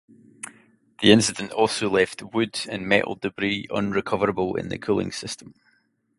The incident also left wood and metal debris unrecoverable in the cooling system.